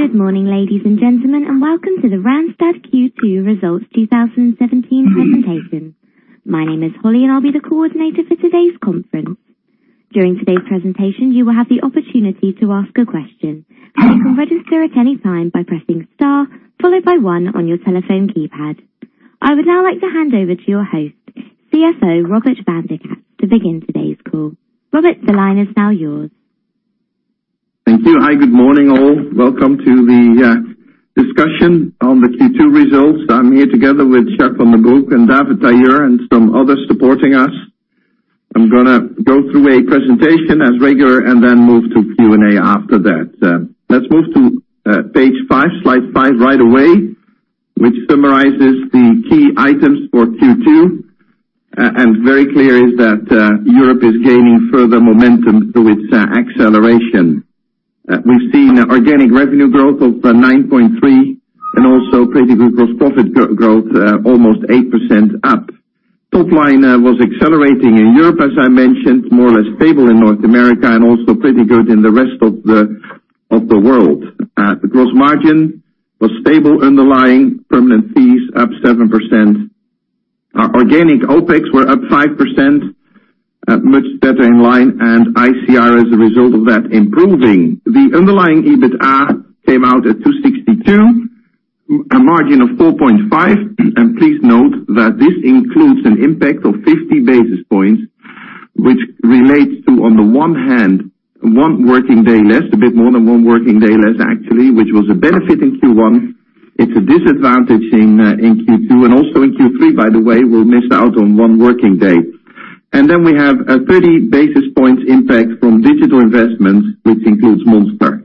Good morning, ladies and gentlemen, and welcome to the Randstad Q2 Results 2017 presentation. My name is Holly, and I'll be the coordinator for today's conference. During today's presentation, you will have the opportunity to ask a question, and you can register at any time by pressing star followed by one on your telephone keypad. I would now like to hand over to your host, CFO Robert van de Kraats, to begin today's call. Robert, the line is now yours. Thank you. Hi, good morning, all. Welcome to the discussion on the Q2 results. I'm here together with Jacques van den Broek and David Tailleur and some others supporting us. I'm going to go through a presentation as regular and then move to Q&A after that. Let's move to page five, slide five right away, which summarizes the key items for Q2. Very clear is that Europe is gaining further momentum through its acceleration. We've seen organic revenue growth of 9.3% and also pretty good gross profit growth almost 8% up. Topline was accelerating in Europe, as I mentioned, more or less stable in North America and also pretty good in the rest of the world. The gross margin was stable, underlying permanent fees up 7%. Our organic OPEX were up 5%, much better in line, and ICR as a result of that, improving. The underlying EBITDA came out at 262, a margin of 4.5%. Please note that this includes an impact of 50 basis points, which relates to, on the one hand, one working day less, a bit more than one working day less actually, which was a benefit in Q1. It's a disadvantage in Q2 and also in Q3, by the way, we'll miss out on one working day. Then we have a 30 basis points impact from digital investments, which includes Monster.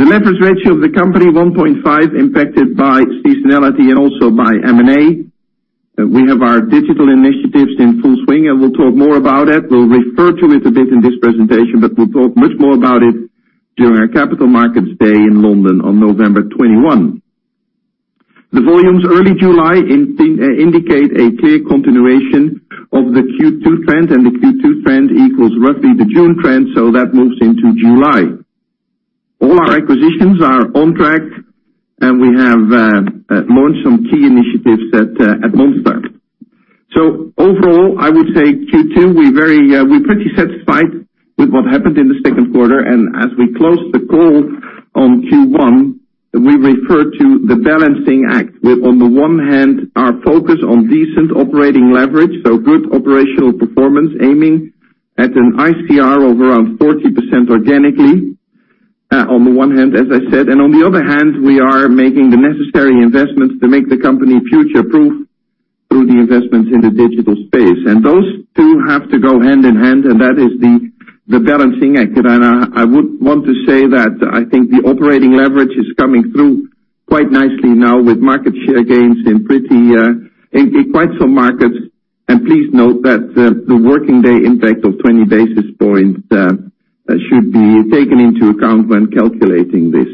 The leverage ratio of the company, 1.5x, impacted by seasonality and also by M&A. We have our digital initiatives in full swing, and we'll talk more about that. We'll refer to it a bit in this presentation, but we'll talk much more about it during our Capital Markets Day in London on November 21. The volumes early July indicate a clear continuation of the Q2 trend, and the Q2 trend equals roughly the June trend, so that moves into July. All our acquisitions are on track, and we have launched some key initiatives at Monster. Overall, I would say Q2, we're pretty satisfied with what happened in the second quarter. As we closed the call on Q1, we referred to the balancing act with, on the one hand, our focus on decent operating leverage, so good operational performance, aiming at an ICR of around 40% organically, on the one hand, as I said. On the other hand, we are making the necessary investments to make the company future-proof through the investments in the digital space. Those two have to go hand in hand, and that is the balancing act. I would want to say that I think the operating leverage is coming through quite nicely now with market share gains in quite some markets. Please note that the working day impact of 20 basis points should be taken into account when calculating this.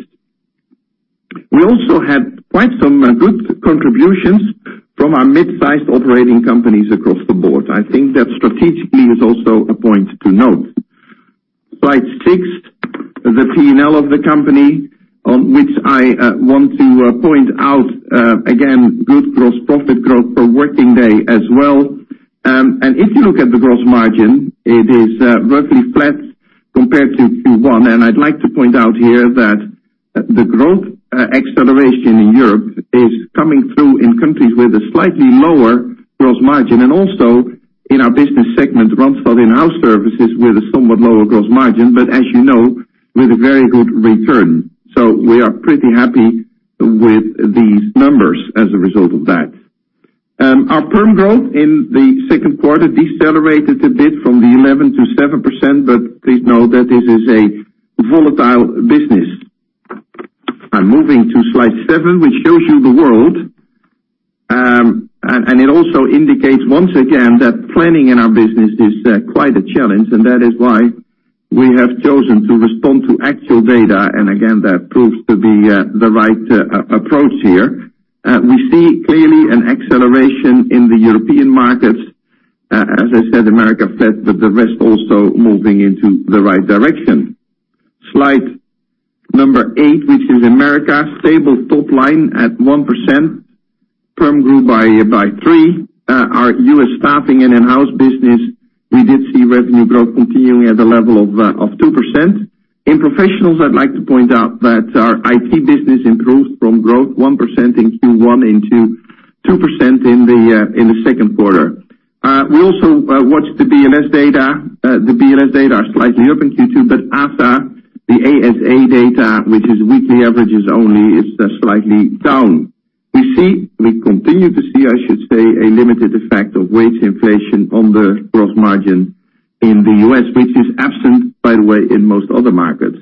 We also had quite some good contributions from our mid-sized operating companies across the board. I think that strategically is also a point to note. Slide six, the P&L of the company on which I want to point out, again, good gross profit growth per working day as well. If you look at the gross margin, it is roughly flat compared to Q1. I'd like to point out here that the growth acceleration in Europe is coming through in countries with a slightly lower gross margin and also in our business segment, Randstad In-house Services with a somewhat lower gross margin, but as you know, with a very good return. We are pretty happy with these numbers as a result of that. Our perm growth in the second quarter decelerated a bit from the 11%-7%, but please know that this is a volatile business. I'm moving to slide seven, which shows you the world. It also indicates once again that planning in our business is quite a challenge, and that is why we have chosen to respond to actual data, and again, that proves to be the right approach here. We see clearly an acceleration in the European markets. As I said, America flat, but the rest also moving into the right direction. Slide number eight, which is America, stable top line at 1%, perm grew by three. Our U.S. staffing and in-house business, we did see revenue growth continuing at the level of 2%. In professionals, I'd like to point out that our IT business improved from growth 1% in Q1 into 2% in the second quarter. We also watched the BLS data. The BLS data are slightly up in Q2, but ASA, the ASA data, which is weekly averages only, is slightly down. We continue to see, I should say, a limited effect of wage inflation on the gross margin in the U.S., which is absent, by the way, in most other markets.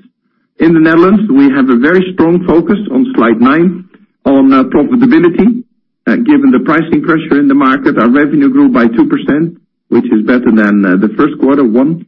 In the Netherlands, we have a very strong focus on slide nine on profitability. Given the pricing pressure in the market, our revenue grew by 2%, which is better than the first quarter, one.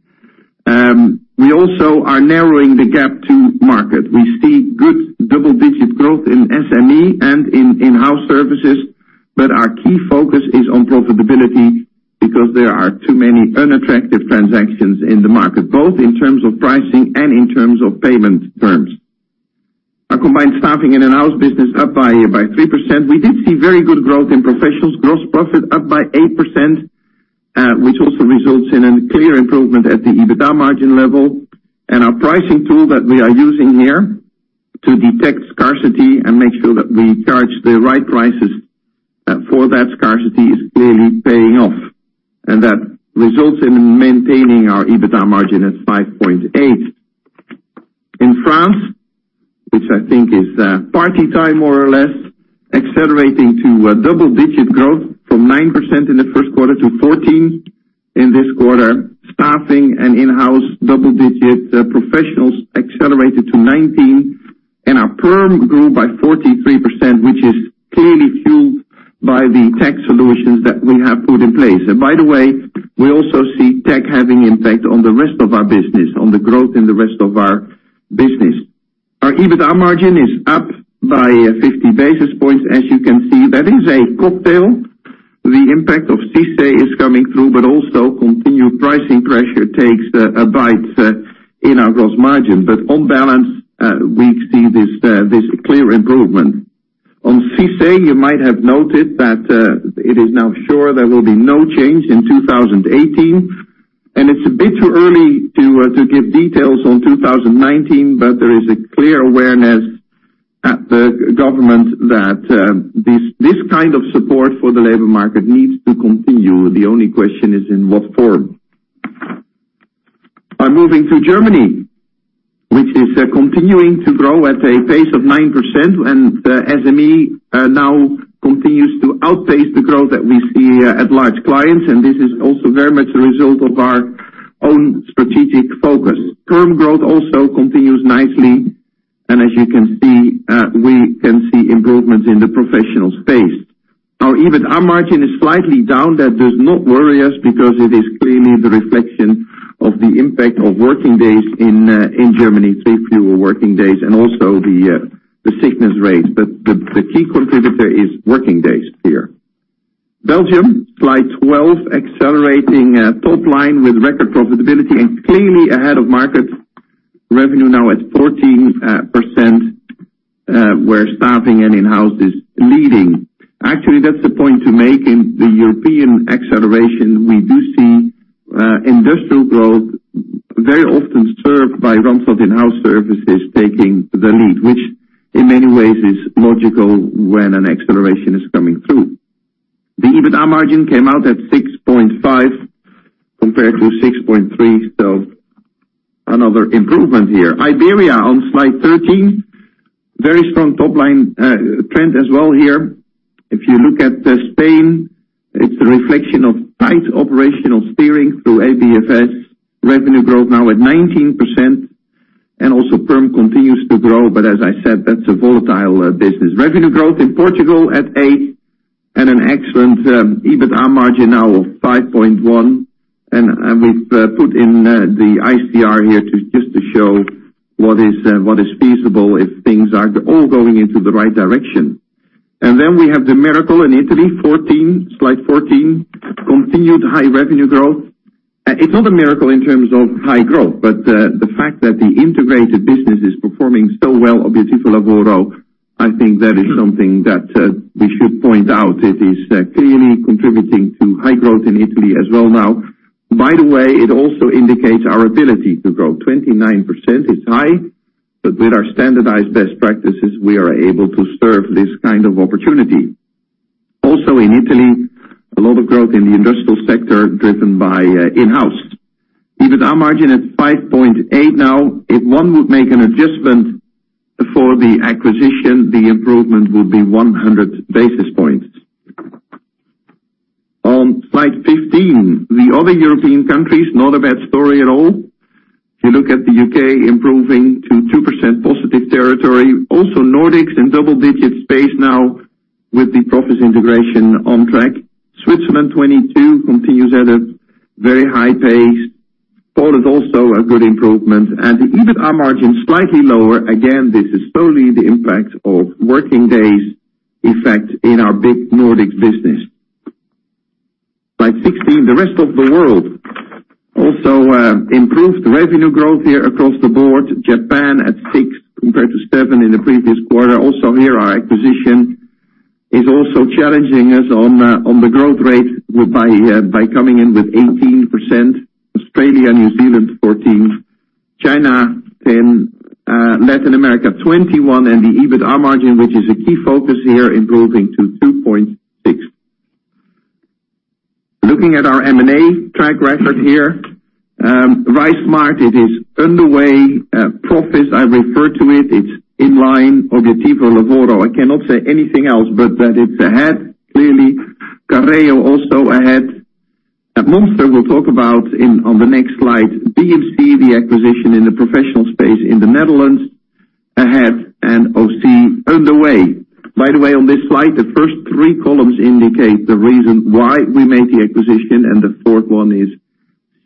We also are narrowing the gap to market. We see good double-digit growth in SME and in In-house Services. Our key focus is on profitability because there are too many unattractive transactions in the market, both in terms of pricing and in terms of payment terms. Our combined staffing and in-house business up by 3%. We did see very good growth in professionals. Gross profit up by 8%, which also results in a clear improvement at the EBITDA margin level. Our pricing tool that we are using here to detect scarcity and make sure that we charge the right prices for that scarcity is clearly paying off. That results in maintaining our EBITDA margin at 5.8%. In France, which I think is party time, more or less, accelerating to double-digit growth from 9% in the first quarter to 14% in this quarter. Staffing and in-house, double digits. Professionals accelerated to 19%, our perm grew by 43%, which is clearly fueled by the tech solutions that we have put in place. By the way, we also see tech having impact on the rest of our business, on the growth in the rest of our business. Our EBITDA margin is up by 50 basis points. As you can see, that is a cocktail. The impact of CICE is coming through, but also continued pricing pressure takes a bite in our gross margin. On balance, we see this clear improvement. On CICE, you might have noted that it is now sure there will be no change in 2018, it's a bit too early to give details on 2019. There is a clear awareness at the government that this kind of support for the labor market needs to continue. The only question is in what form. I'm moving to Germany, which is continuing to grow at a pace of 9%. SME now continues to outpace the growth that we see at large clients. This is also very much a result of our own strategic focus. Perm growth also continues nicely. As you can see, we can see improvements in the professional space. Our EBITDA margin is slightly down. That does not worry us because it is clearly the reflection of the impact of working days in Germany, three fewer working days and also the sickness rate. The key contributor is working days here. Belgium, slide 12, accelerating top line with record profitability and clearly ahead of market. Revenue now at 14%, where staffing and in-house is leading. Actually, that's the point to make. In the European acceleration, we do see industrial growth very often served by Randstad In-house Services taking the lead, which in many ways is logical when an acceleration is coming through. The EBITDA margin came out at 6.5 compared to 6.3, so another improvement here. Iberia on slide 13. Very strong top-line trend as well here. If you look at Spain, it's a reflection of tight operational steering through ABFS. Revenue growth now at 19%. Also perm continues to grow, but as I said, that's a volatile business. Revenue growth in Portugal at eight and an excellent EBITDA margin now of 5.1. We've put in the ICR here just to show what is feasible if things are all going into the right direction. Then we have the miracle in Italy. Slide 14. Continued high revenue growth. It's not a miracle in terms of high growth, but the fact that the integrated business is performing so well, Obiettivo Lavoro, I think that is something that we should point out. It is clearly contributing to high growth in Italy as well now. By the way, it also indicates our ability to grow. 29% is high, but with our standardized best practices, we are able to serve this kind of opportunity. Also in Italy, a lot of growth in the industrial sector driven by in-house. EBITDA margin at 5.8 now. If one would make an adjustment for the acquisition, the improvement would be 100 basis points. On slide 15, the other European countries, not a bad story at all. If you look at the U.K. improving to 2% positive territory. Also Nordics in double-digit space now with the Proffice integration on track. Switzerland, 22%, continues at a very high pace. Poland also a good improvement. The EBITDA margin slightly lower. Again, this is solely the impact of working days effect in our big Nordic business. Slide 16, the rest of the world also improved revenue growth here across the board. Japan at six compared to seven in the previous quarter. Also here our acquisition is also challenging us on the growth rate by coming in with 18%. Australia, New Zealand, 14%. China, 10%. Latin America, 21%. The EBITDA margin, which is a key focus here, improving to 2.6%. Looking at our M&A track record here. RiseSmart, it is underway. Proffice, I referred to it's in line. Obiettivo Lavoro, I cannot say anything else but that it's ahead, clearly. Careo also ahead. Monster, we'll talk about on the next slide. BMC, the acquisition in the professional space in the Netherlands, ahead. AUSY, underway. By the way, on this slide, the first three columns indicate the reason why we made the acquisition, and the fourth one is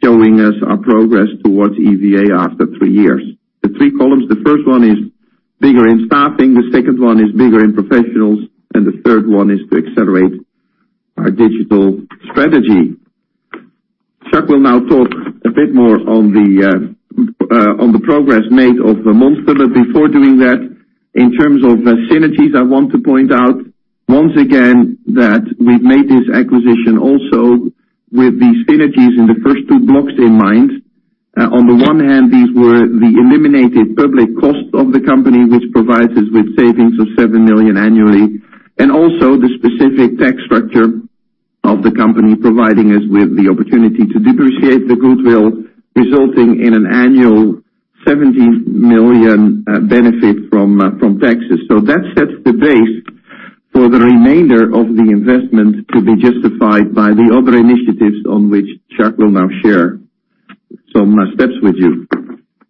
showing us our progress towards EVA after three years. The three columns, the first one is bigger in staffing, the second one is bigger in professionals, and the third one is to accelerate our digital strategy. Jacques will now talk a bit more on the progress made of Monster. Before doing that, in terms of synergies, I want to point out, once again, that we've made this acquisition also with the synergies in the first two blocks in mind. On the one hand, these were the eliminated public costs of the company, which provides us with savings of $7 million annually, and also the specific tax structure of the company, providing us with the opportunity to depreciate the goodwill, resulting in an annual $17 million benefit from taxes. That sets the base for the remainder of the investment to be justified by the other initiatives on which Jacques will now share some steps with you.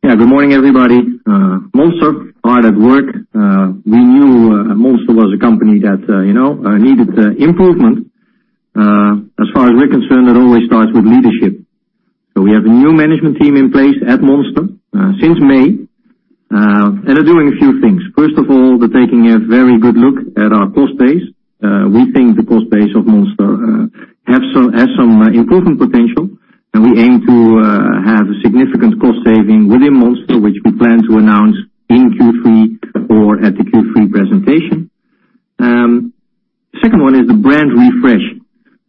Yeah. Good morning, everybody. Monster, hard at work. We knew Monster was a company that needed improvement. As far as we're concerned, it always starts with leadership. We have a new management team in place at Monster, since May, and are doing a few things. First of all, they're taking a very good look at our cost base. We think the cost base of Monster has some improvement potential, and we aim to have a significant cost saving within Monster, which we plan to announce in Q3 or at the Q3 presentation. Second one is the brand refresh.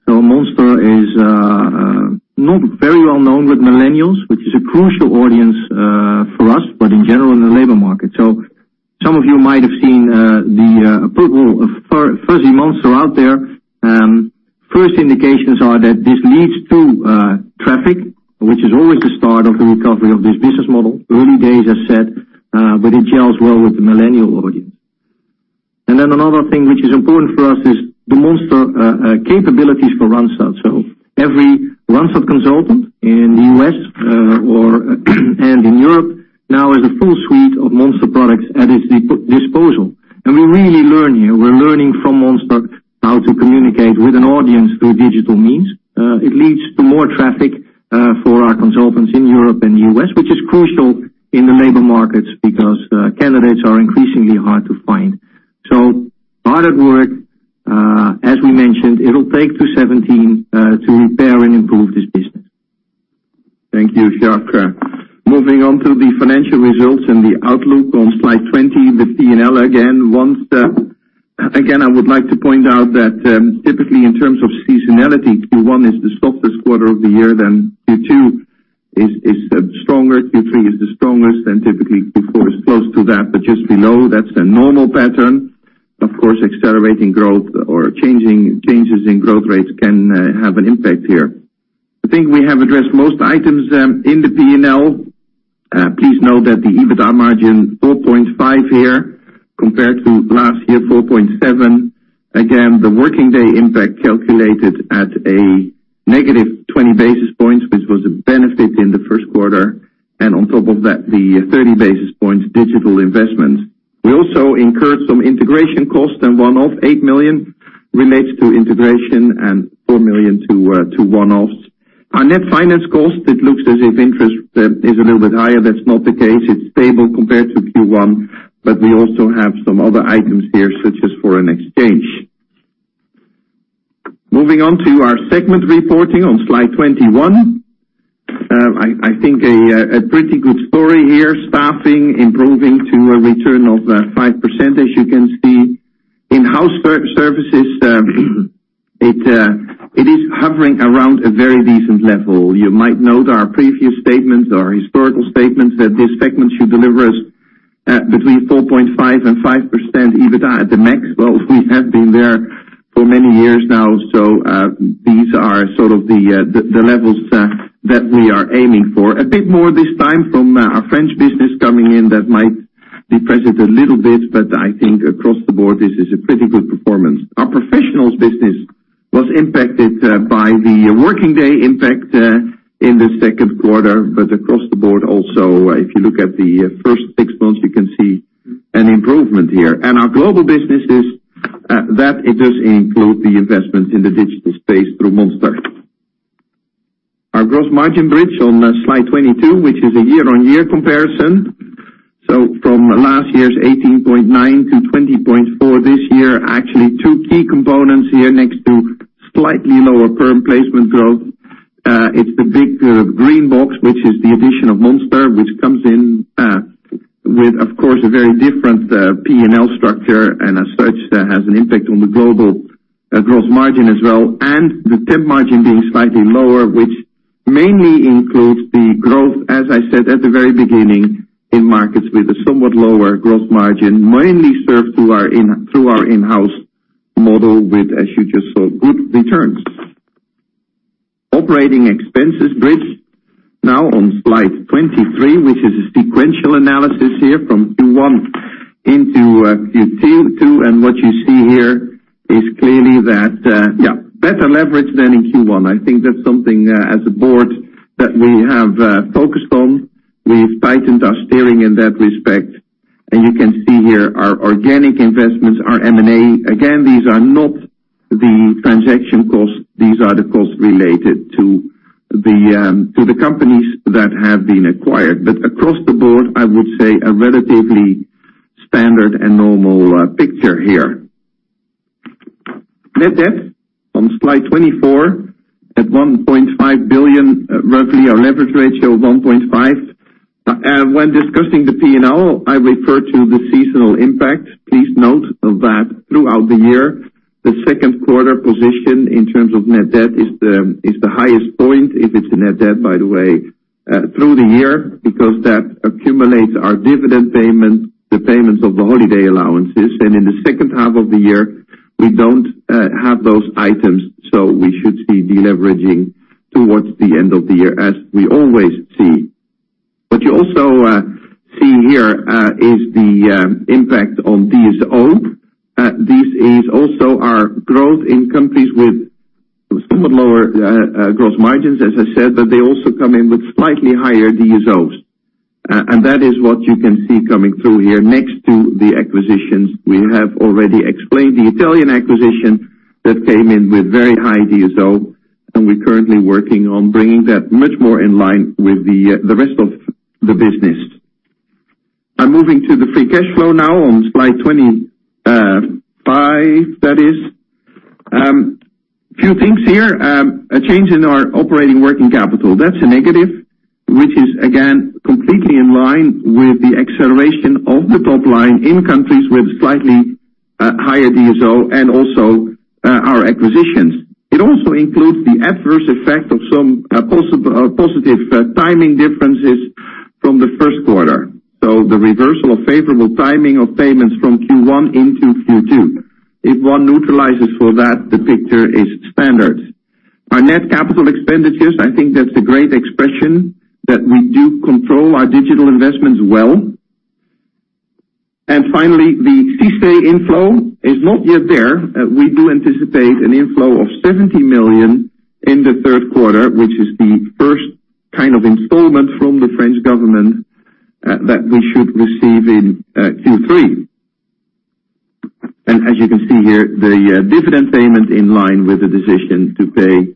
Monster is not very well known with millennials, which is a crucial audience for us, but in general in the labor market. Some of you might have seen the purple, fuzzy monster out there. First indications are that this leads to traffic, which is always the start of the recovery of this business model. Early days, as said, but it gels well with the millennial audience. Another thing which is important for us is the Monster capabilities for Randstad. Every Randstad consultant in the U.S. and in Europe now has a full suite of Monster products at its disposal. We're really learning here. We're learning from Monster how to communicate with an audience through digital means. It leads to more traffic for our consultants in Europe and the U.S., which is crucial in the labor markets because candidates are increasingly hard to find. Hard at work. As we mentioned, it'll take to 2017 to repair and improve this business. Thank you, Jacques. Moving on to the financial results and the outlook on slide 20, the P&L again. Once again, I would like to point out that typically in terms of seasonality, Q1 is the softest quarter of the year, Q2 is stronger, Q3 is the strongest, and typically Q4 is close to that, but just below. That's the normal pattern. Of course, accelerating growth or changes in growth rates can have an impact here. I think we have addressed most items in the P&L. Please note that the EBITDA margin, 4.5% here compared to last year, 4.7%. Again, the working day impact calculated at a negative 20 basis points, which was a benefit in the first quarter. On top of that, the 30 basis points digital investment. We also incurred some integration costs and one-off, 8 million relates to integration and 4 million to one-offs. Our net finance cost, it looks as if interest is a little bit higher. That's not the case. It's stable compared to Q1. We also have some other items here, such as foreign exchange. Moving on to our segment reporting on slide 21. I think a pretty good story here. Staffing improving to a return of 5%, as you can see. In-house Services, it is hovering around a very decent level. You might note our previous statements, our historical statements, that this segment should deliver us between 4.5% and 5% EBITDA at the max. We have been there for many years now, these are sort of the levels that we are aiming for. A bit more this time from our French business coming in, that might depress it a little bit, I think across the board, this is a pretty good performance. Our professionals business was impacted by the working day impact in the second quarter, across the board also, if you look at the first six months, you can see an improvement here. Our global businesses, that it does include the investment in the digital space through Monster. Our gross margin bridge on slide 22, which is a year-on-year comparison. From last year's 18.9% to 20.4% this year. Actually, two key components here next to slightly lower perm placement growth. It's the big green box, which is the addition of Monster, which comes in with, of course, a very different P&L structure, and as such, has an impact on the global gross margin as well, and the temp margin being slightly lower, which mainly includes the growth, as I said at the very beginning, in markets with a somewhat lower gross margin, mainly served through our in-house model with, as you just saw, good returns. Operating expenses bridge now on slide 23, which is a sequential analysis here from Q1 into Q2. What you see here is clearly that better leverage than in Q1. I think that's something as a board that we have focused on. We've tightened our steering in that respect. You can see here our organic investments, our M&A. Again, these are not the transaction costs. These are the costs related to the companies that have been acquired. Across the board, I would say a relatively standard and normal picture here. Net debt on slide 24, at 1.5 billion, roughly our leverage ratio of 1.5. When discussing the P&L, I refer to the seasonal impact. Please note that throughout the year, the second quarter position in terms of net debt is the highest point, if it's a net debt, by the way, through the year, because that accumulates our dividend payment, the payments of the holiday allowances. In the second half of the year, we don't have those items, so we should see de-leveraging towards the end of the year as we always see. What you also see here is the impact on DSO. This is also our growth in companies with somewhat lower gross margins, as I said, but they also come in with slightly higher DSOs. That is what you can see coming through here next to the acquisitions. We have already explained the Italian acquisition that came in with very high DSO, and we're currently working on bringing that much more in line with the rest of the business. I'm moving to the free cash flow now on slide 25, that is. Few things here. A change in our operating working capital. That's a negative, which is, again, completely in line with the acceleration of the top line in countries with slightly higher DSO and also our acquisitions. It also includes the adverse effect of some positive timing differences from the first quarter. The reversal of favorable timing of payments from Q1 into Q2. If one neutralizes for that, the picture is standard. Our net capital expenditures, I think that's a great expression that we do control our digital investments well. Finally, the CICE inflow is not yet there. We do anticipate an inflow of 70 million in the third quarter, which is the first installment from the French government that we should receive in Q3. As you can see here, the dividend payment in line with the decision to pay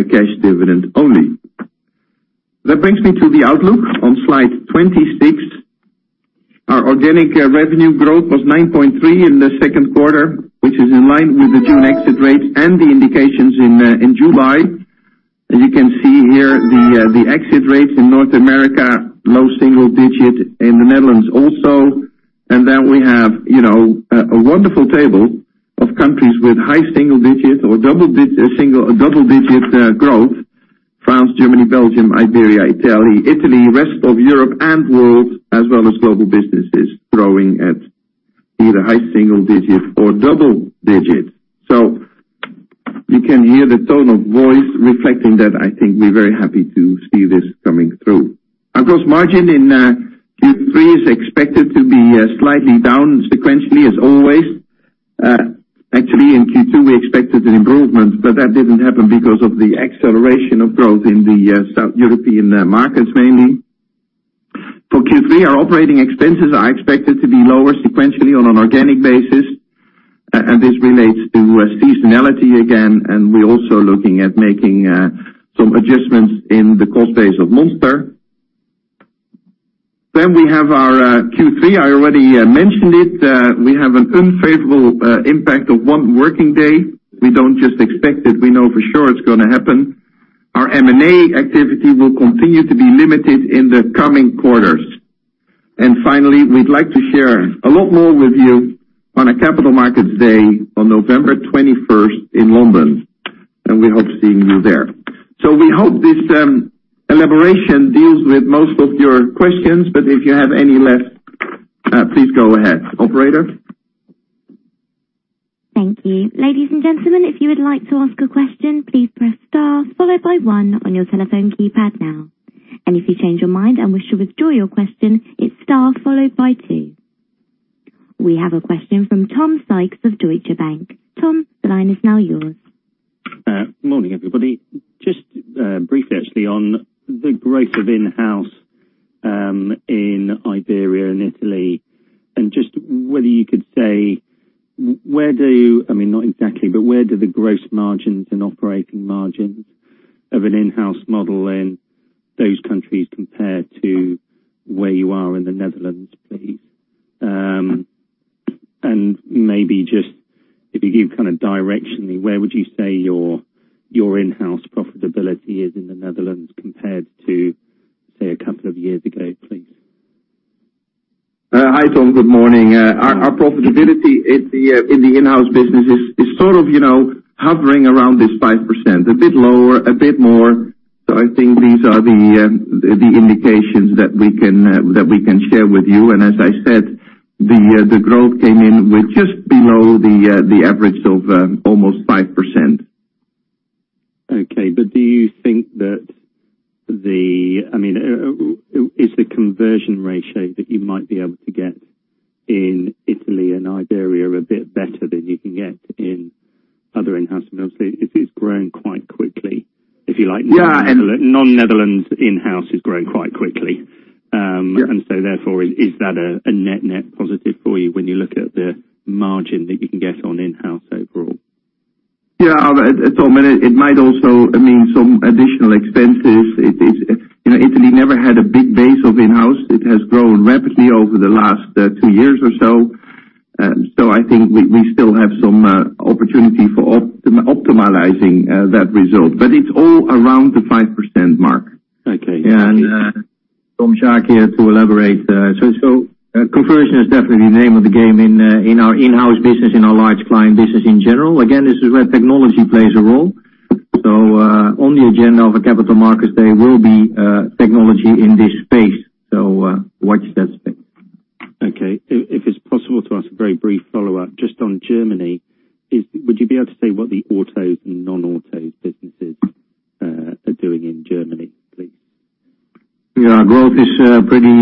a cash dividend only. That brings me to the outlook on slide 26. Our organic revenue growth was 9.3% in the second quarter, which is in line with the June exit rates and the indications in July. As you can see here, the exit rates in North America, low single digit in the Netherlands also. We have a wonderful table of countries with high single-digit or double-digit growth. France, Germany, Belgium, Iberia, Italy, rest of Europe and world, as well as global businesses growing at either high single-digit or double-digit. You can hear the tone of voice reflecting that I think we're very happy to see this coming through. Our gross margin in Q3 is expected to be slightly down sequentially as always. Actually, in Q2, we expected an improvement, but that didn't happen because of the acceleration of growth in the South European markets, mainly. For Q3, our operating expenses are expected to be lower sequentially on an organic basis. This relates to seasonality again, and we're also looking at making some adjustments in the cost base of Monster. We have our Q3. I already mentioned it. We have an unfavorable impact of one working day. We don't just expect it. We know for sure it's going to happen. Our M&A activity will continue to be limited in the coming quarters. Finally, we'd like to share a lot more with you on a Capital Markets Day on November 21st in London. We hope seeing you there. We hope this elaboration deals with most of your questions, but if you have any left, please go ahead. Operator? Thank you. Ladies and gentlemen, if you would like to ask a question, please press star followed by one on your telephone keypad now. If you change your mind and wish to withdraw your question, it's star followed by two. We have a question from Tom Sykes of Deutsche Bank. Tom, the line is now yours. Morning, everybody. Just briefly actually on the growth of in-house in Iberia and Italy, and just whether you could say, Not exactly, but where do the gross margins and operating margins of an in-house model in those countries compare to where you are in the Netherlands, please? Maybe just if you give directionally, where would you say your in-house profitability is in the Netherlands compared to, say, a couple of years ago, please? Hi, Tom. Good morning. Morning. Our profitability in the in-house business is hovering around this 5%. A bit lower, a bit more. I think these are the indications that we can share with you. As I said, the growth came in with just below the average of almost 5%. Okay. Do you think that the Is the conversion ratio that you might be able to get in Italy and Iberia a bit better than you can get in? Other in-house, obviously. It's growing quite quickly, if you like. Yeah non-Netherlands in-house is growing quite quickly. Yeah. Therefore, is that a net positive for you when you look at the margin that you can get on in-house overall? Yeah, Tom, it might also mean some additional expenses. Italy never had a big base of in-house. It has grown rapidly over the last two years or so. I think we still have some opportunity for optimizing that result. It is all around the 5% mark. Okay. Tom Schaake here to elaborate. Conversion is definitely the name of the game in our in-house business, in our large client business in general. Again, this is where technology plays a role. On the agenda of a Capital Markets Day will be technology in this space. Watch that space. Okay. If it's possible to ask a very brief follow-up, just on Germany, would you be able to say what the autos and non-autos businesses are doing in Germany, please? Yeah. Growth is pretty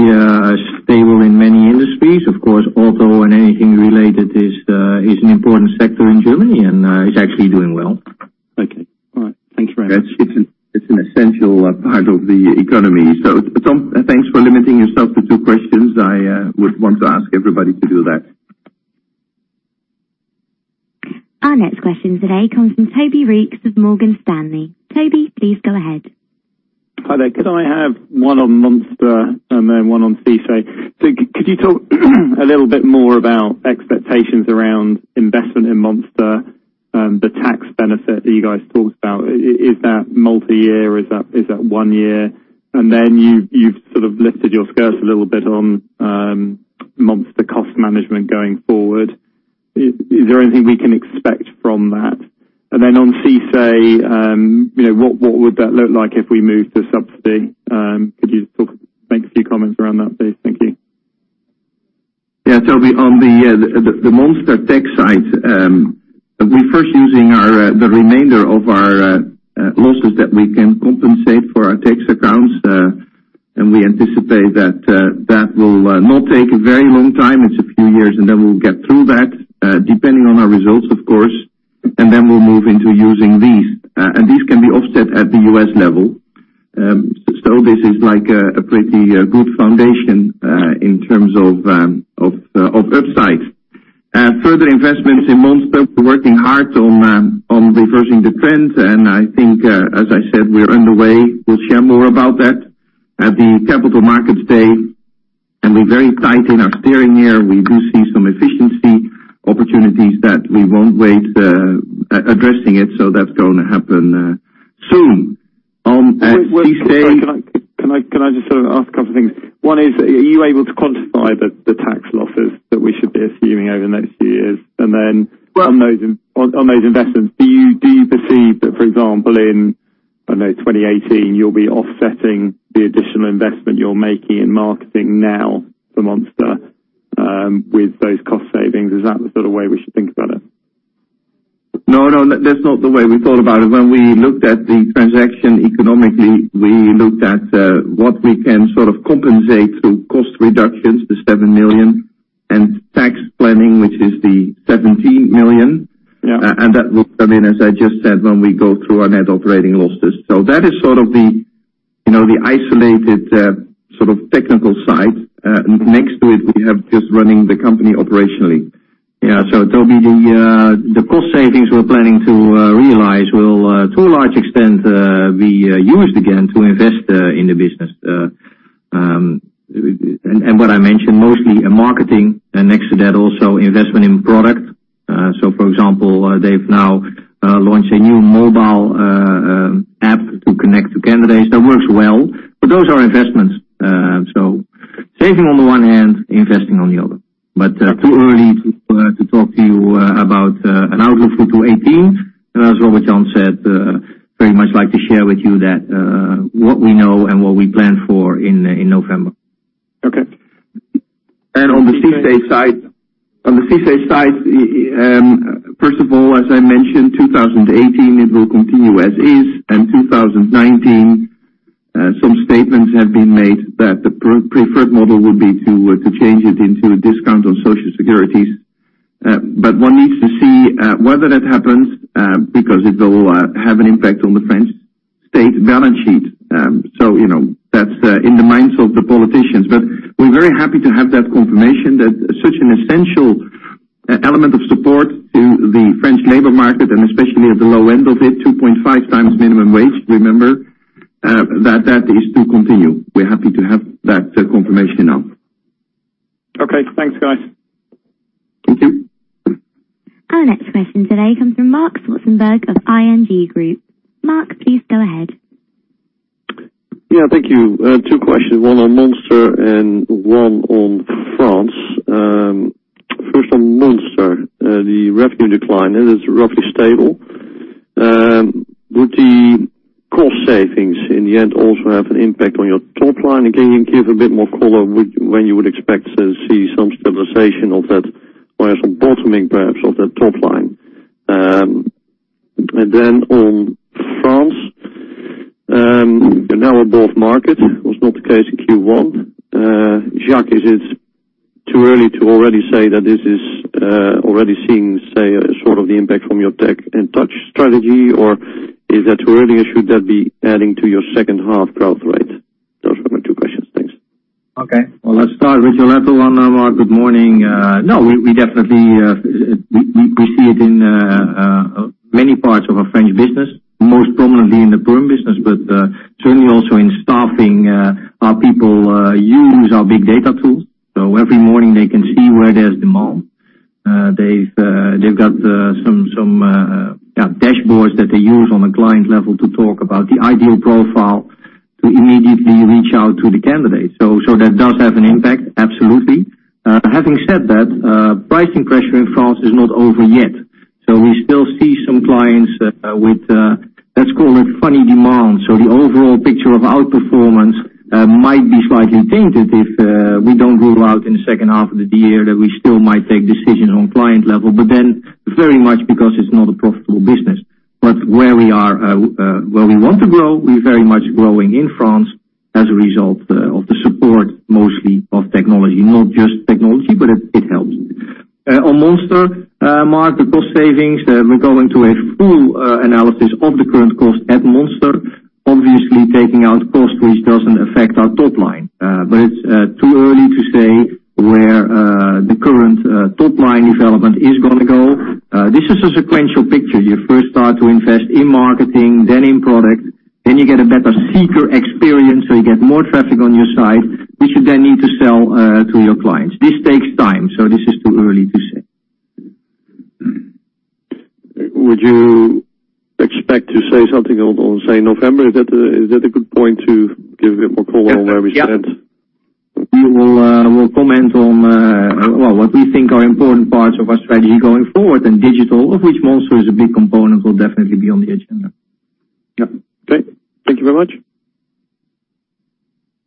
stable in many industries. Of course, auto and anything related is an important sector in Germany, and it's actually doing well. Okay. All right. Thanks very much. It's an essential part of the economy. Tom, thanks for limiting yourself to two questions. I would want to ask everybody to do that. Our next question today comes from Toby Reeks of Morgan Stanley. Toby, please go ahead. Hi there. Could I have one on Monster and then one on CICE? Could you talk a little bit more about expectations around investment in Monster, the tax benefit that you guys talked about, is that multi-year, is that one year? You've sort of lifted your skirts a little bit on Monster cost management going forward. Is there anything we can expect from that? On CICE, what would that look like if we move to subsidy? Could you make a few comments around that, please? Thank you. Toby, on the Monster tax side, we first using the remainder of our losses that we can compensate for our tax accounts, we anticipate that will not take a very long time. It's a few years, we'll get through that, depending on our results, of course, we'll move into using these. These can be offset at the U.S. level. This is like a pretty good foundation in terms of upside. Further investments in Monster, we're working hard on reversing the trend, I think, as I said, we're underway. We'll share more about that at the Capital Markets Day, we're very tight in our steering here. We do see some efficiency opportunities that we won't wait addressing it, that's going to happen soon. On CICE- Sorry, can I just ask a couple things? One is, are you able to quantify the tax losses that we should be assuming over the next few years? On those investments, do you perceive that, for example, in, I don't know, 2018, you'll be offsetting the additional investment you're making in marketing now for Monster, with those cost savings? Is that the sort of way we should think about it? No, that's not the way we thought about it. When we looked at the transaction economically, we looked at what we can sort of compensate through cost reductions, the $7 million, and tax planning, which is the $17 million. Yeah. That will come in, as I just said, when we go through our Net Operating Losses. That is sort of the isolated technical side. Next to it, we have just running the company operationally. Yeah. Toby, the cost savings we're planning to realize will to a large extent be used again to invest in the business. What I mentioned, mostly in marketing and next to that, also investment in product. For example, they've now launched a new mobile app to connect to candidates. That works well. Those are investments. Saving on the one hand, investing on the other. Too early to talk to you about an outlook for 2018, and as Robert-Jan said, very much like to share with you that what we know and what we plan for in November. Okay. On the CICE side, first of all, as I mentioned, 2018, it will continue as is, 2019, some statements have been made that the preferred model would be to change it into a discount on social securities. One needs to see whether that happens, because it will have an impact on the French state balance sheet. That's in the minds of the politicians. We're very happy to have that confirmation that such an essential element of support to the French labor market, and especially at the low end of it, 2.5 times minimum wage, remember, that is to continue. We're happy to have that confirmation now. Okay. Thanks, guys. Thank you. Our next question today comes from Marc Zwartsenburg of ING Group. Marc, please go ahead. Thank you. Two questions, one on Monster and one on France. First on Monster, the revenue decline, it is roughly stable. Would the cost savings in the end also have an impact on your top line? Again, you give a bit more color when you would expect to see some stabilization of that, or some bottoming, perhaps, of that top line. Then on France, you're now above market, was not the case in Q1. Jacques, is it too early to already say that this is already seeing, say, a sort of the impact from your tech and touch strategy? Or is that too early, or should that be adding to your second half growth rate? Those were my two questions. Thank you. Okay. Well, let's start with your latter one, Marc. Good morning. No, we definitely see it in many parts of our French business, most prominently in the perm business, but certainly also in staffing. Our people use our big data tools. Every morning they can see where there's demand. They've got some dashboards that they use on a client level to talk about the ideal profile to immediately reach out to the candidates. That does have an impact, absolutely. Having said that, pricing pressure in France is not over yet. We still see some clients with, let's call it funny demands. The overall picture of outperformance might be slightly tainted if we don't rule out in the second half of the year that we still might take decisions on client level, but then very much because it's not a profitable business. Where we want to grow, we're very much growing in France as a result of the support, mostly of technology, not just technology, but it helps. On Monster, Marc, the cost savings, we're going to a full analysis of the current cost at Monster, obviously taking out cost which doesn't affect our top line. It's too early to say where the current top-line development is going to go. This is a sequential picture. You first start to invest in marketing, then in product, then you get a better seeker experience, so you get more traffic on your site, which you then need to sell to your clients. This takes time, so this is too early to say. Would you expect to say something on, say, November? Is that a good point to give a bit more color on where we stand? Yeah. We will comment on what we think are important parts of our strategy going forward in digital, of which Monster is a big component, will definitely be on the agenda. Yeah. Okay. Thank you very much.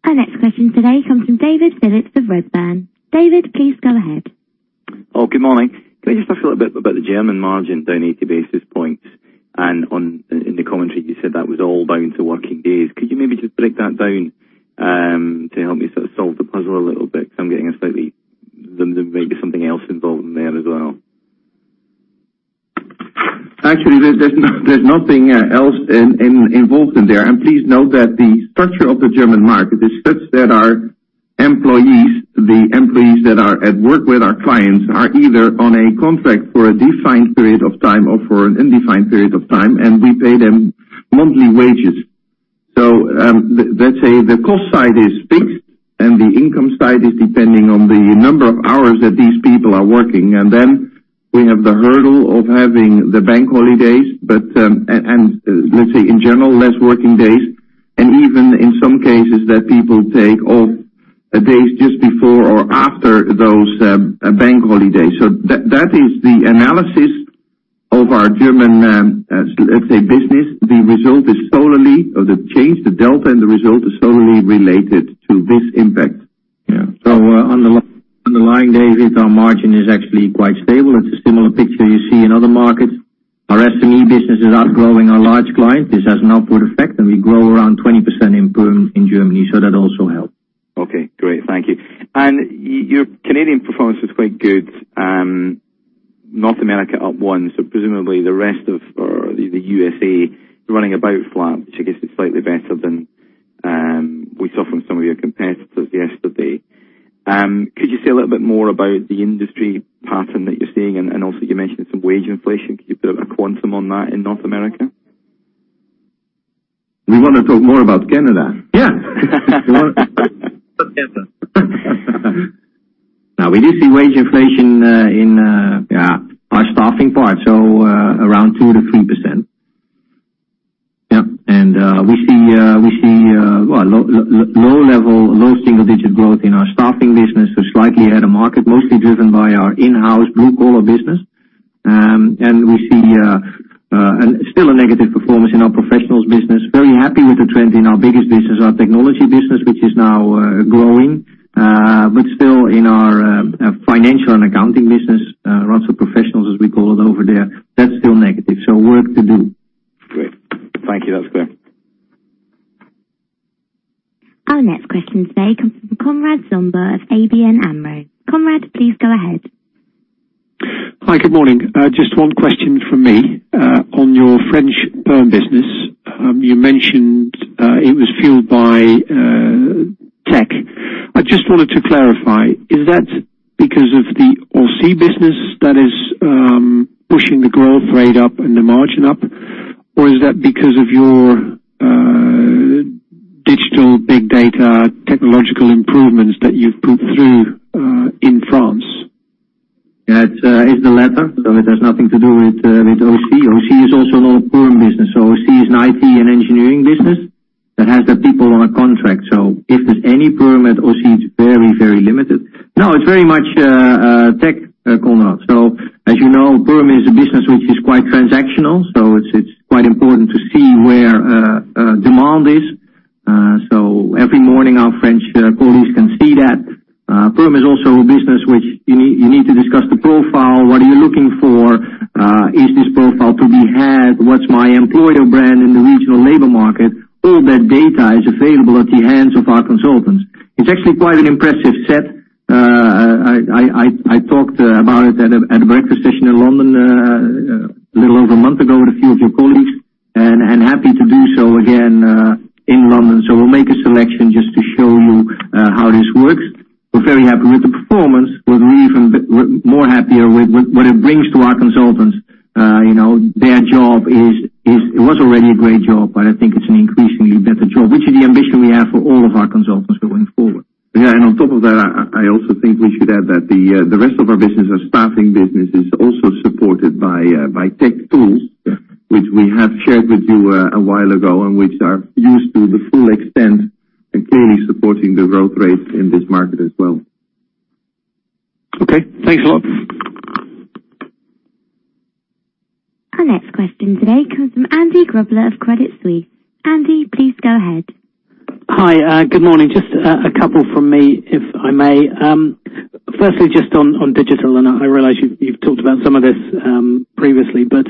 Our next question today comes from David Phillips of Redburn. David, please go ahead. Oh, good morning. Can we just talk a little bit about the German margin down 80 basis points. In the commentary, you said that was all down to working days. Could you maybe just break that down to help me sort of solve the puzzle a little bit, because there may be something else involved in there as well. Actually, there's nothing else involved in there. Please note that the structure of the German market is such that our employees, the employees that are at work with our clients, are either on a contract for a defined period of time or for an undefined period of time, and we pay them monthly wages. Let's say the cost side is fixed and the income side is depending on the number of hours that these people are working. Then we have the hurdle of having the bank holidays, and let's say, in general, less working days, and even in some cases that people take off days just before or after those bank holidays. That is the analysis of our German, let's say, business. The result is solely, or the change, the delta and the result is solely related to this impact. Underlying, David, our margin is actually quite stable. It's a similar picture you see in other markets. Our SME business is outgrowing our large client. This has an upward effect. We grow around 20% in perm in Germany. That also helps. Okay, great. Thank you. Your Canadian performance was quite good. North America up 1%, so presumably the rest of or the U.S.A. running about flat, which I guess is slightly better than we saw from some of your competitors yesterday. Could you say a little bit more about the industry pattern that you are seeing? Also you mentioned some wage inflation. Could you put a quantum on that in North America? We want to talk more about Canada. Yeah. We do see wage inflation in our staffing part, so around 2%-3%. Yep. We see low level, low single-digit growth in our staffing business, so slightly ahead of market, mostly driven by our in-house blue-collar business. We see still a negative performance in our professionals business. Very happy with the trend in our biggest business, our technology business, which is now growing. Still in our financial and accounting business, lots of professionals, as we call it over there, that's still negative. Work to do. Great. Thank you. That's clear. Our next question today comes from Konrad Zomer of ABN AMRO. Konrad, please go ahead. Hi. Good morning. Just one question from me. On your French perm business, you mentioned it was fueled by tech. I just wanted to clarify, is that because of the AUSY business that is pushing the growth rate up and the margin up, or is that because of your digital big data technological improvements that you've put through in France? It's the latter, it has nothing to do with AUSY. AUSY is also not a perm business, AUSY is an IT and engineering business that has the people on a contract. If there's any perm at AUSY, it's very limited. No, it's very much tech, Konrad. As you know, perm is a business which is quite transactional, it's quite important to see where demand is. Every morning, our French colleagues can see that. Perm is also a business which you need to discuss the profile. What are you looking for? Is this profile to be had? What's my employer brand in the regional labor market? All that data is available at the hands of our consultants. It's actually quite an impressive set. I talked about it at a breakfast session in London a little over a month ago with a few of your colleagues, happy to do so again in London. We'll make a selection just to show you how this works. We're very happy with the performance. We're more happier with what it brings to our consultants. Their job was already a great job, but I think it's an increasingly better job, which is the ambition we have for all of our consultants going forward. Yeah, on top of that, I also think we should add that the rest of our business, our staffing business, is also supported by tech tools which we have shared with you a while ago, and which are used to the full extent and clearly supporting the growth rate in this market as well. Okay. Thanks a lot. Our next question today comes from Andy Grobler of Credit Suisse. Andy, please go ahead. Hi, good morning. Just a couple from me, if I may. Firstly, just on digital. I realize you've talked about some of this previously, but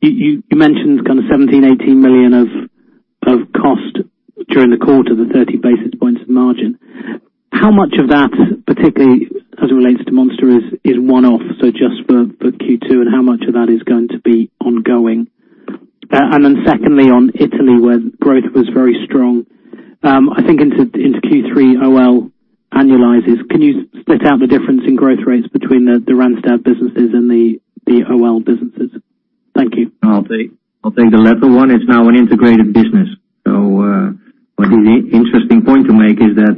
you mentioned 17 million, 18 million of cost during the quarter, the 30 basis points of margin. How much of that, particularly as it relates to Monster, is one-off, so just for Q2, and how much of that is going to be ongoing? Secondly, on Italy, where growth was very strong, I think into Q3, OL annualizes. Can you split out the difference in growth rates between the Randstad businesses and the OL businesses? Thank you. I'll take the latter one. It's now an integrated business. What is an interesting point to make is that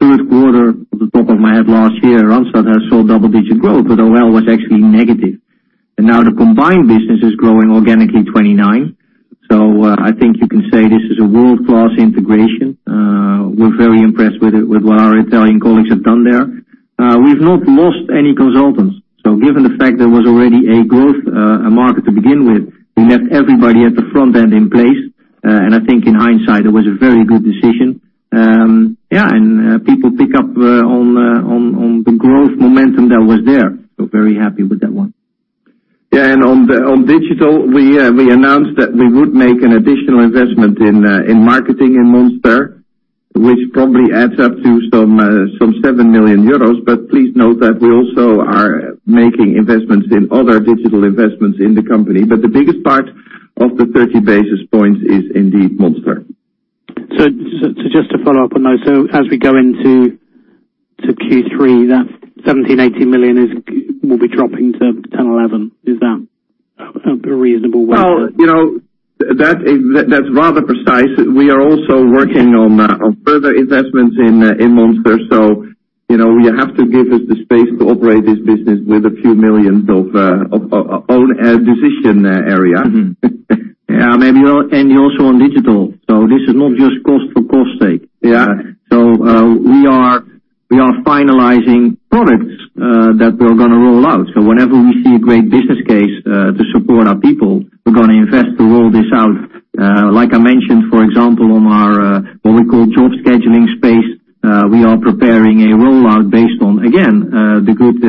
third quarter, off the top of my head, last year, Randstad has showed double-digit growth, but OL was actually negative. Now the combined business is growing organically 29. I think you can say this is a world-class integration. We're very impressed with what our Italian colleagues have done there. We've not lost any consultants. Given the fact there was already a growth, a market to begin with, we left everybody at the front end in place. I think in hindsight, it was a very good decision. People pick up on the growth momentum that was there. Very happy with that one. On digital, we announced that we would make an additional investment in marketing in Monster, which probably adds up to some 7 million euros. Please note that we also are making investments in other digital investments in the company. The biggest part of the 30 basis points is indeed Monster. Just to follow up on those. As we go into Q3, that $17 million, $18 million will be dropping to $10 million, $11 million. Is that a reasonable way to- That's rather precise. We are also working on further investments in Monster. You have to give us the space to operate this business with a few millions of own decision area. Yeah, you're also on digital. This is not just cost for cost's sake. Yeah. We are finalizing products that we're going to roll out. Whenever we see a great business case to support our people, we're going to invest to roll this out. Like I mentioned, for example, on our, what we call job scheduling space, we are preparing a rollout based on, again, the good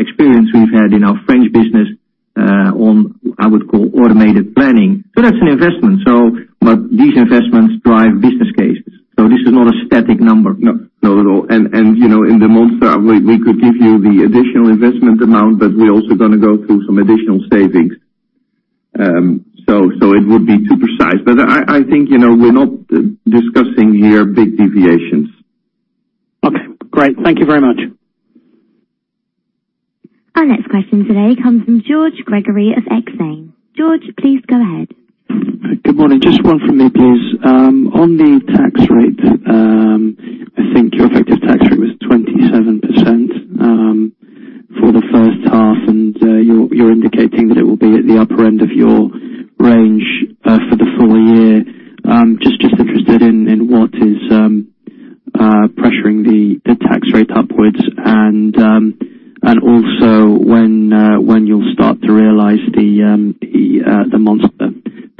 experience we've had in our French business on, I would call, automated planning. That's an investment. These investments drive business cases. This is not a static number. No. Not at all. In Monster, we could give you the additional investment amount, but we're also going to go through some additional savings. It would be too precise. I think, we're not discussing here big deviations. Okay, great. Thank you very much. Our next question today comes from Paul Gregory of Exane. Paul, please go ahead. Good morning. Just one from me, please. On the tax rate, I think your effective tax rate was 27% for the first half, and you're indicating that it will be at the upper end of your range for the full year. Just interested in what is pressuring the tax rate upwards and also when you'll start to realize the Monster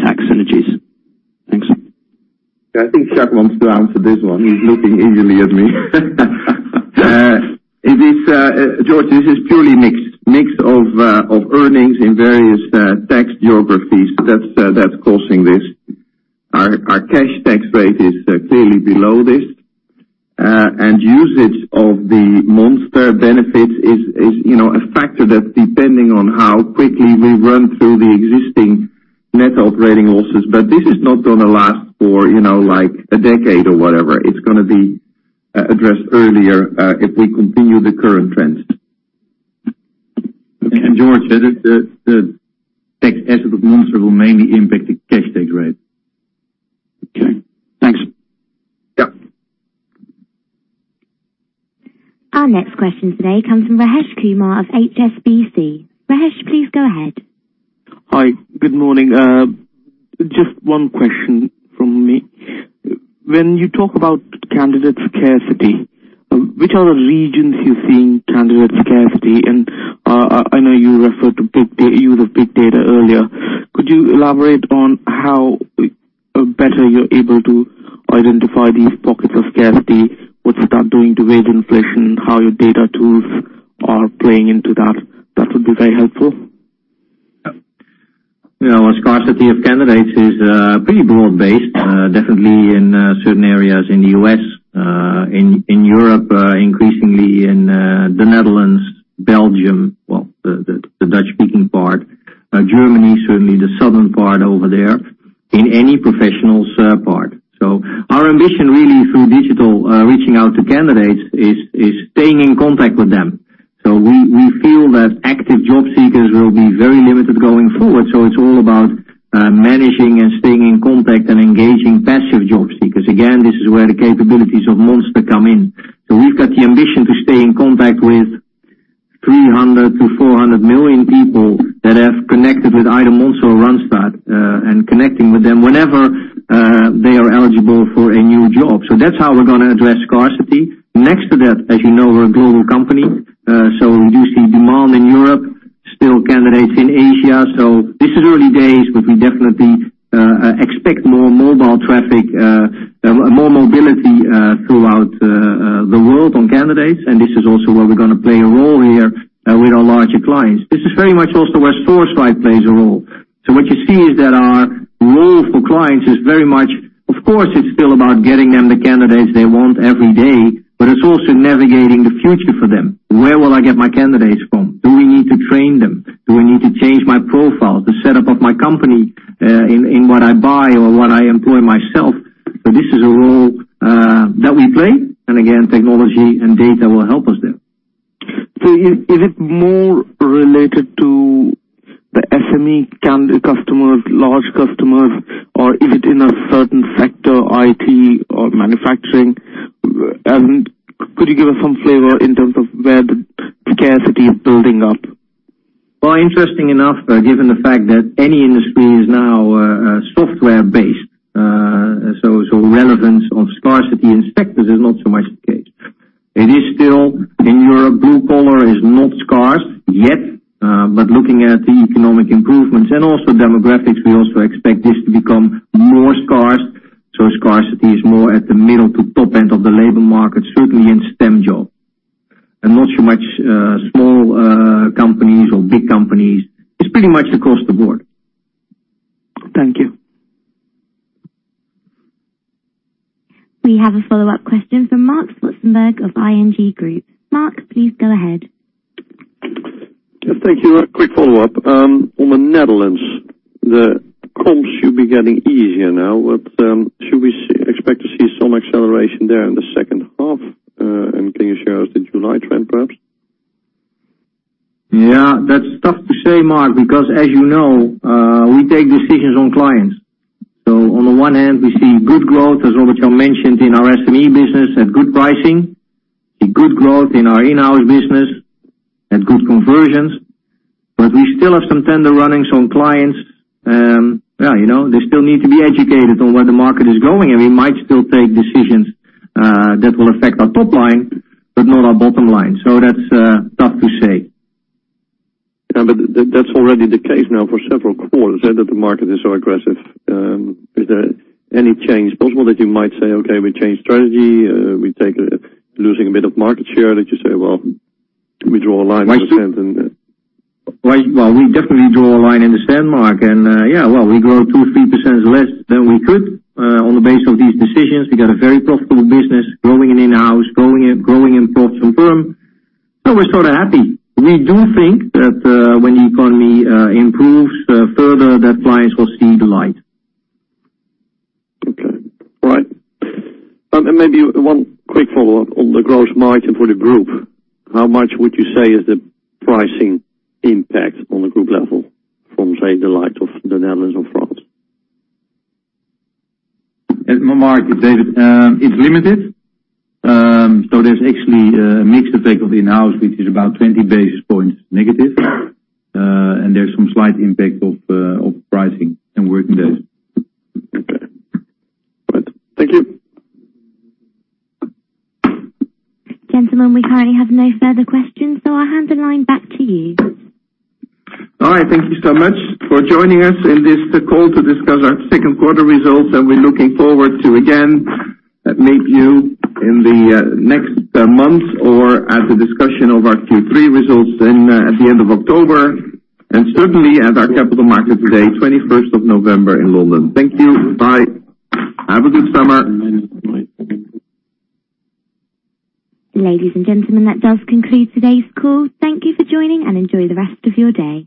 tax synergies. Thanks. I think Jacques wants to answer this one. He's looking eagerly at me. Paul, this is purely mix of earnings in various tax geographies that's causing this. Our cash tax rate is clearly below this. Usage of the Monster benefits is a factor that depending on how quickly we run through the existing Net Operating Losses. This is not going to last for a decade or whatever. It's going to be addressed earlier if we continue the current trends. George, the tax asset of Monster will mainly impact the cash tax rate. Okay. Thanks. Yeah. Our next question today comes from Mahesh Kumar of HSBC. Mahesh, please go ahead. Hi. Good morning. Just one question from me. When you talk about candidate care today, which other regions you're seeing candidate scarcity? I know you referred to use of big data earlier. Could you elaborate on how better you're able to identify these pockets of scarcity? What's that doing to wage inflation? How your data tools are playing into that? That would be very helpful. Scarcity of candidates is pretty broad-based. Definitely in certain areas in the U.S., in Europe, increasingly in the Netherlands, Belgium, well, the Dutch-speaking part, Germany, certainly the southern part over there, in any professional part. Our ambition really through digital reaching out to candidates is staying in contact with them. We feel that active job seekers will be very limited going forward. It's all about managing and staying in contact and engaging passive job seekers. Again, this is where the capabilities of Monster come in. We've got the ambition to stay in contact with 300 to 400 million people that have connected with either Monster or Randstad, and connecting with them whenever they are eligible for a new job. That's how we're going to address scarcity. Next to that, as you know, we're a global company. You see demand in Europe, still candidates in Asia. This is early days, but we definitely expect more mobility throughout the world on candidates. This is also where we're going to play a role here with our larger clients. This is very much also where Sourceright plays a role. What you see is that our role for clients is very much, of course, it's still about getting them the candidates they want every day, but it's also navigating the future for them. Where will I get my candidates from? Do we need to train them? Do I need to change my profile, the setup of my company, in what I buy or what I employ myself? This is a role that we play. Again, technology and data will help us there. Is it more related to the SME customers, large customers, or is it in a certain sector, IT or manufacturing? Could you give us some flavor in terms of where the scarcity is building up? Well, interesting enough, given the fact that any industry is now software-based, relevance of scarcity in sectors is not so much the case. It is still in Europe, blue collar is not scarce yet. Looking at the economic improvements and also demographics, we also expect this to become more scarce. Scarcity is more at the middle to top end of the labor market, certainly in STEM jobs. Not so much small companies or big companies. It's pretty much across the board. Thank you. We have a follow-up question from Marc Zwartsenburg of ING Group. Marc, please go ahead. Thank you. A quick follow-up. On the Netherlands, the comp should be getting easier now, but should we expect to see some acceleration there in the second half? Can you share with us the July trend, perhaps? Yeah, that's tough to say, Marc, because as you know, we take decisions on clients. On the one hand, we see good growth, as Robert-Jan mentioned, in our SME business and good pricing, see good growth in our in-house business and good conversions, we still have some tender runnings on clients. They still need to be educated on where the market is going, we might still take decisions that will affect our top line, but not our bottom line. That's tough to say. Yeah, that's already the case now for several quarters, that the market is so aggressive. Is there any change possible that you might say, "Okay, we change strategy. We're losing a bit of market share." That you say, "Well, we draw a line in the sand? Well, we definitely draw a line in the sand, Marc, yeah, well, we grow 2%, 3% less than we could on the base of these decisions. We got a very profitable business growing in In-house, growing in perm. We're sort of happy. We do think that when the economy improves further, that clients will see the light. Okay. All right. Maybe one quick follow-up on the gross margin for the group. How much would you say is the pricing impact on the group level from, say, the likes of the Netherlands or France? Marc, it's limited. There's actually a mixed effect of In-house, which is about 20 basis points negative. There's some slight impact of pricing and working days. Okay. All right. Thank you. Gentlemen, we currently have no further questions, so I'll hand the line back to you. All right. Thank you so much for joining us in this call to discuss our second quarter results, and we're looking forward to, again, meet you in the next months or at the discussion of our Q3 results at the end of October, and certainly at our Capital Markets Day, 21st of November in London. Thank you. Bye. Have a good summer. Ladies and gentlemen, that does conclude today's call. Thank you for joining and enjoy the rest of your day.